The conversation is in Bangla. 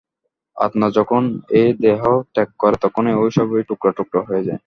আত্মা যখন এই দেহ ত্যাগ করে, তখন এ-সবই টুকরা টুকরা হইয়া যায়।